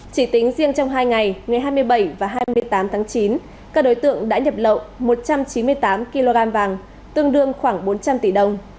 chỉ tính riêng trong hai ngày ngày hai mươi bảy và hai mươi tám tháng chín các đối tượng đã nhập lậu một trăm chín mươi tám kg vàng tương đương khoảng bốn trăm linh tỷ đồng